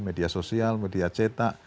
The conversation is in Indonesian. media sosial media cetak